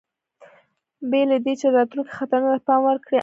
بې له دې، چې راتلونکو خطرونو ته پام وکړي، امر یې کاوه.